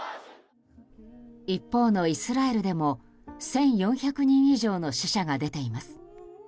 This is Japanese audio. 一方のイスラエルでも１４００人以上の死者が出ています。